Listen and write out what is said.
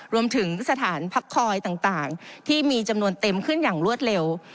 รวมถึงสถานพักคอยต่างที่มีจำนวนเต็มขึ้นอย่างรวดเร็ว